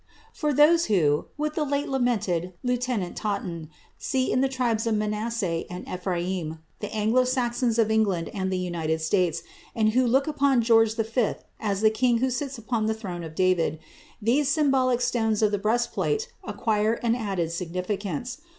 For those who, with the late lamented Lieutenant Totten, see in the tribes of Manasseh and Ephraim the Anglo Saxons of England and the United States, and who look upon George V as the king who sits upon the throne of David, these symbolical stones of the breastplate acquire an added significance.